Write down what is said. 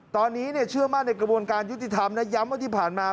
ตอนนี้เชื่อมั่นในกระบวนการยุติธรรมนะย้ำว่าที่ผ่านมา